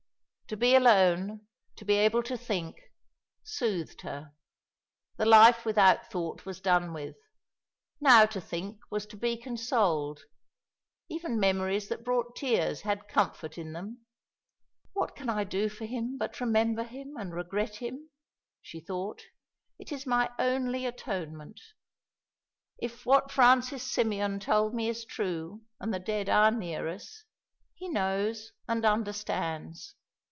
To be alone, to be able to think, soothed her. The life without thought was done with. Now to think was to be consoled. Even memories that brought tears had comfort in them. "What can I do for him but remember him and regret him?" she thought. "It is my only atonement. If what Francis Symeon told me is true and the dead are near us, he knows and understands.